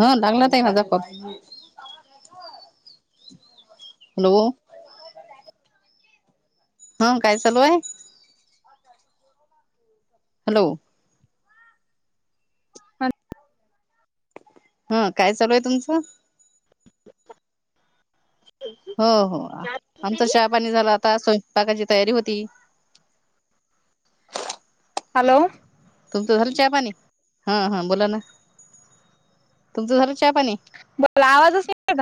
ह लागलात आहे नाझा को हॅलो. हं काय चालू आहे. हॅलो. हा. हा काय चालू आहे तुमचं? हो हो आमच शहापाणी झालं आता स्वयंपाकाची तयारी होती. हॅलो. तुमचं झालं चहा पाणी हा हा बोला ना तुमचं झालं चहा पाणी बला आवाजच नाही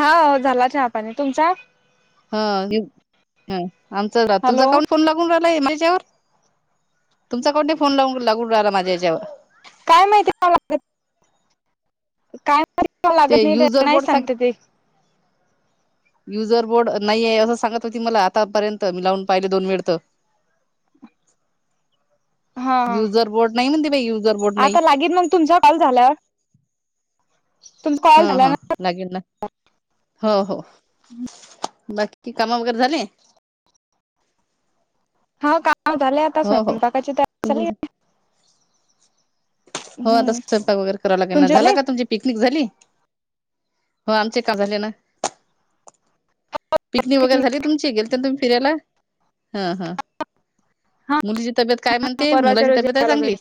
हा झाला चहापाने तुमचा? ह आमचा तुझा हॅलो काउंट फोन लागून राहिलाय माझ्यावर तुमचा कोणे फोन लाव लागून राहिला माझ्या याच्यावर काय माहिती आहेला. काय ते लागत नाही युजर नाही बोर्ड सांग सांगते ते [unintelligible] युजर बोर्ड नाही आहे असं सांगत होती मला आतापर्यंत मी लावून पाहिले दोन वेळ तर हा युजर बोर्ड नाही म्हणते बाई युजर बोर्ड नाही तुम काल झाल्या तुम? हा हा लागेल ना हो हो. बाकी कामा वगैरे झाले हा काव झाले आता हो हो स्वयंपाकाची तया झा. तुमची हो आता हम्म स्वयपाक वगैरे करावा लागे तुमचे झाला झाले का तुमची पिकनिक झाली हो आमचे का झाले ना पिकनिक वगैरे झाली तुमची गेल तर तुम्ही फिरायला हा हा हा मुलीची तब्येत काय म्हणते परवाच्या मुलाची तब्येत रोजी आहे आलो चांगली. घरी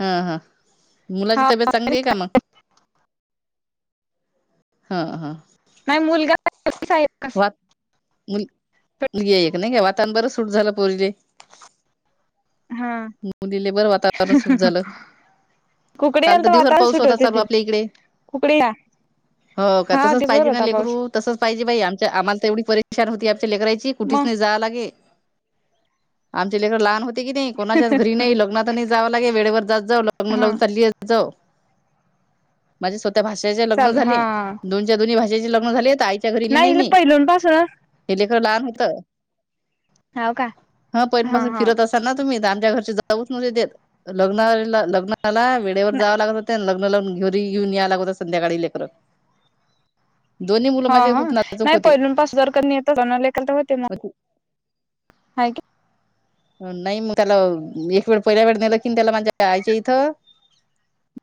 हा हा मुलाची हा तब्येत चांगली आहे का मग हा हा. नाही मुलगा मु मु एक नाही घ्या वातान बरं सूट झालं पोरीजे हा. मुलीले बर वातावरण सुट झालं. कुकडे काल याल तर दिवसवर वातावरण पाऊस सुट होता होते चालू तिला आपल्या इकडे कुकडे या हो का हा तसंच दिसभर पाहिजे ना होता लेकरू पाऊस तसंच पाहिजे बाई आमच्या आम्हाला तर एवढी परेशान होती आमच्या लेकरायची. कुठेच मग नाही जा लागे. आमचे लेकर लहान होते की नाही कोणाच्याच घरी नाही लग्नात नाही जावं लागे वेळेवर जात जाऊग, लग्न हा लावून चालली जा माझे स्वतः भाषेचे लग्न चाल हा झाले दोन. दोनी भाषेची लग्न झाली आईच्या घरीली नाही मी, पहिलून पासून हे लेकर लहान होतं हाव का ह हा पहिन पाासून हा फिरत असा ना. तुम्ही त आमच्या घरचे जाऊच नव्हते देत, लग्नाला लग्न मला वेळेवर जावं लागत होतं आणि लग्न लागून घेरी घेऊन याव लागत होता संध्याकाळी लेकर. दोन्ही मुलं हा माझे हा खूप नाजूक नाही होते पहिलूून पास जर नाही येतलेकर होते मग. हे नाही मग त्याला एक वेळ पहिल्या वेळ नेलं कि त्याला माझ्या आईच्या इथं.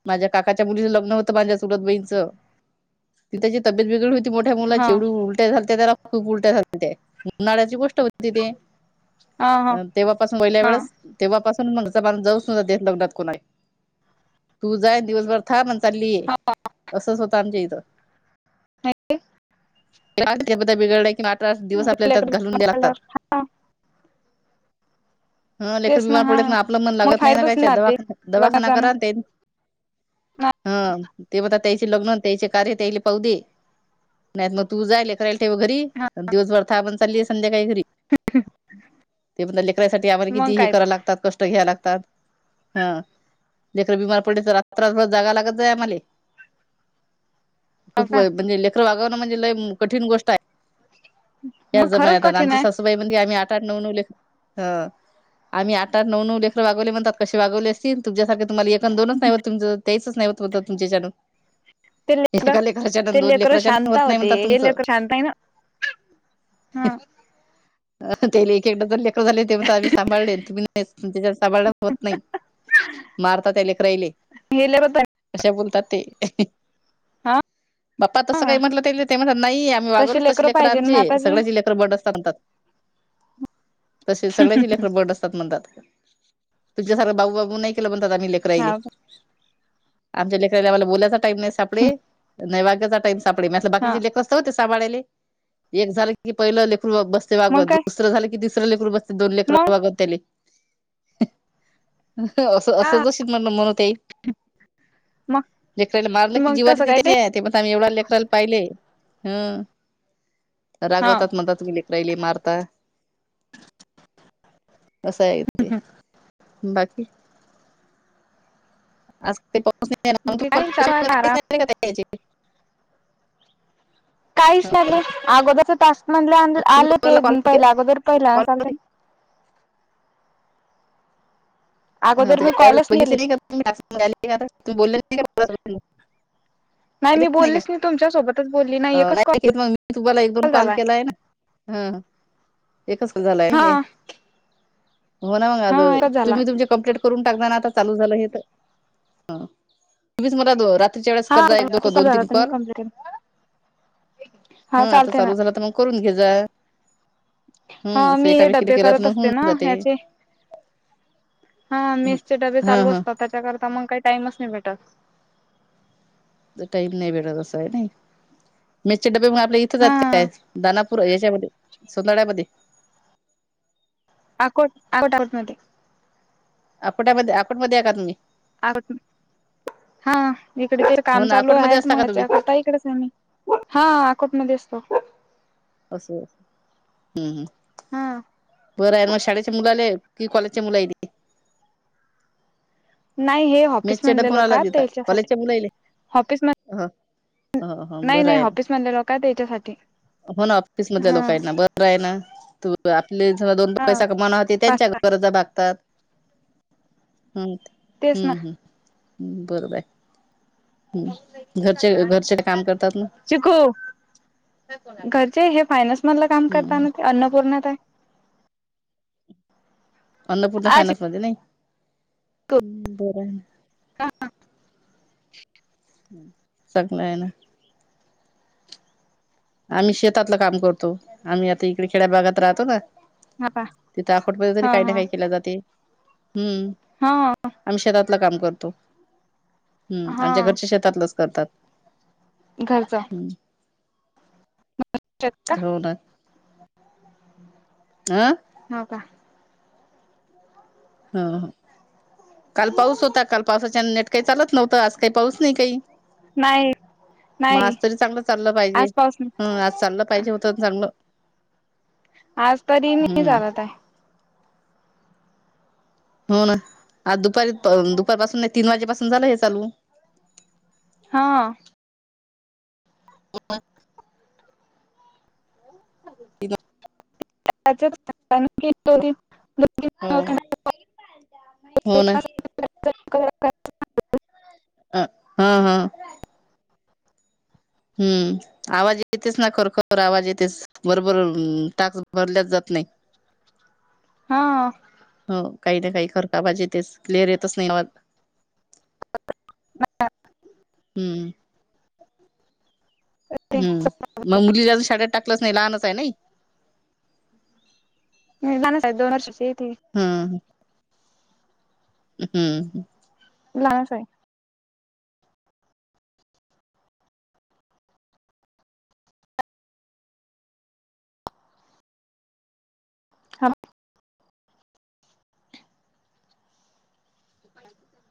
माझ्या काकाच्या मुलीच लग्न होतं माझ्या सरत बहीणचं ती त्याची तब्येत वेगळं होती मोठ्या मुला हा जवढी उलट्या झालत्या त्याला खूप उलट्या झालत त्या उन्हाड्याची गोष्ट होती ति ते हा हा तेव्हापासून वहिल्या हा वेळेस तेव्हापासून म्हणचा मान जाऊ सुद्धा दे लग्नात कोणा आहे तू जा दिवसभर, हा म्हण चाललीय असंच होतं आमच्या इथं. बिघडल्या किंवा अठरा दिवस आपल्याला त्यात घालून द्या लागतात. ह लेकर तेच बीमार हा पडत ना आपलं मन मग लागत नाही ना फायदाच कायच ते दवाखना दवाखाना लग्नाचा ना करा ते, हा ते बता त्याचे लग्न त्याचे कार्य त्याले पाहूदे. नाहीत मग तू जायल करायला ठेव घरी हा दिवसभर थ पण चाललीय संध्याकाळी घरी. ते लेकायसाठी आम्हाला मग किती हे काय करां लागतात कष्ट घ्या लागतात. हा जकडे बीमार पडल तर रातातभर जागा लागत जाय आम्हाले. तर खूप का म्हणजे लेकर वागवणं म्हणजे ल कठीण गोष्ट हाय. या मग खरंच जमान्यात आता कठीण आमची आहे सासूबाई म्हणली आम्ही आठ आठ नऊ नऊ लेखर, ह आम्ही आठ आठ नऊ नऊ लेखकर वागवले म्हणतात कसे वागवले असतील तुमझ्यासारखे तुम्हाला एक पण दोनच नाही होत तुं तेच नाही होत तुमच्यानून. ते लेकरडं ते लेकर शांत होत नाही होते म्हणतात ते तुमचं लेकर शांत आहे ना. हम. अ ते लेकी कड चले. झाले ते आम्ही सांभाळ तुम्ही प त्याच्याला सांभाळ होत नाही. मारतात त्या लेक राहिले हे लेकर अशा बोलतात ते. हा. बाप्पा तसं काही हा म्हटलं ते ते म्हणत नाही आम्ही तशी वागवलच त लेकरं लेकर पाहिजे आमचे ना आताचे सगळची लेकर बड असत म्हणतात. तसे सग्याची लेखं बर्ड असतात म्हणतात तुझच्यासारखं बाबू बाबू नाही केलं म्हणतात आम्ही लेख करायले, हा आमच्या लेकररालाला बोलाचा टाईम नाही सापडे न वाग्याचा टाईम सा सापडे म्हंटल हा बाकीचे लेख असत ते सांभाळायले एक झाले की पहिलं लेखून बसते वागवत मग दु काय तुसर झालं कि तिसर लेकर बसते दोन लेकर मग वागवत त्याले. असं हा असंचशी म्हण म्हण तेई. मग जे कला मारलं की मग जीवारी तसं ते काय त्या ते पण. एवढा लेखाला पाहिले ह हा रागवतात म्हणताात तुम्ही ले डैली मारता. असाय ते बाकी, आज ते पा काही चालू आहे आराम. [unintelligible] काहीच लागले अगोदरच तास म्हधलं आलं ते तुम्हाला कॉल पहि अगोदर पहिलं केला चाल. हा अगोदर मी कॉलच बघितले केली. नाही काही बोल नाही का [unintelligible] नाही मी केलेच का? बोललीच नाही तुमच्यासोबत, बोलली ना, नाही ऐक मग मी तुम्हाला एक दोन कॉल केलाय ना. हा एकच झालंय हा काय. हो ना मग आ हा एकच झाला तुम्ही तुमच्या, कंप्लेंट करून टाकजा ना आता चालू झालं हे तर. पुढच्या वेळीस कर हा जा एक दो क तसा दोन झाला तीन कॉल. [inaudible] हा आता चालते ना. चालू झाला तर मग करून घे जा. हा हं असं मी हे एकामेकीने डबे केलं तर करत मग असते होऊन ना जाते. याचे. हा हं. मेसचे डबे हां चालू हां. असतात त्याच्याकरता मग काही टाइमच नाही भेटत. त टाईम नाही भेटत तसा आहे नाही मेसचे डबे. आपलं इथं जात हा. काय दानापूर याच्यामध्ये सोनळ्यामध्ये अकोट अकोट मध्ये अकोटामध्ये अकोटमध्येे का तुम्ही. आ हा इकडे ते हो काम ना चालू आहे अकोटमध्ये असता का तुम्ही? मगता इकडेच मी हा अकोटमध्येध्ये असतो. असं हम्म् हा बरं आहे मग शाळेच्या मुलाले. की कॉलेजचे मुल येत ती. नाही हे. ऑफिस मेसच्या डबा मधले लोक कोणाला आहेत देता त्याच्यासाठी कॉलेजच्या मुलाले? ऑफिस म ह हा बरं आहे म त्यासाठी हो ना ऑफिस मधल्या लोक आहेत ना बरं आहे ना. त आपले जव दोन पैसा कमावणार ते पाच त्यांच्या गरजा भागतात. हम् तेच ना हम्म हम्म हम् बर बाय. हम् घरचे घरचे काम करतात म? शिकू, घरचे हे फायनान्स मधलं काम करताना ते अन्नपूर्ण आहे. अन्नपूर्णा आ फायनान्स मध्ये नाही. चिकू बर आहे. चांगलं आहे ना. आम्ही शेतातलं काम करतो. आम्ही आता इकडे खेड्या भागात राहतो ना. हा पा तिथं आकोट मध्ये तरी हा काही ना हा काही केल्या जाते हम्म. हा आम्ही शेतातलं काम करतो हम्म हा आमच्या घरच्या शेतातलंच करतात. घरचं. ह का हो ना. आ हो का. हा हा काल पाऊस होता काल पावसाच्या नेट काही चालत नव्हतं आज काही पाऊस नाही काही नाही मग नाही आज तरी चांगलं चाललं पाहिजे. आज पाऊस नाही हम आज चाललं पाहिजे होतं चांगलं. आज तरी नीट हम्म चालत आहे. हो ना आज दुपारी दुपार पाासून नाही तीन वाजेपासून झालं हे चालू. हा [inaudible] [inaudible] [inaudible] किती [inaudible] हो हो ना. अ, हा - हा हम्म आवाज येतेच ना खर खर आवाज येतेच. बरोबर ताक भरल्याच जात नाही. हा हो काही ना काही खरकाबाजे तेच क्लेअर येतच नाही आवाज. [inaudible] हम्म ते हम् मग मुलीला शाळेत टाकलंच नाही लहानच आहे नाही. [unintelligible] य दोन वर्षाची ये ती हम्म हम्म लाहानच आहे. ह अच्छा!